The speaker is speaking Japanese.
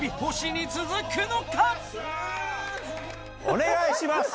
お願いします！